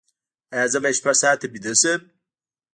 ایا زه باید شپږ ساعته ویده شم؟